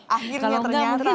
akhirnya ternyata ya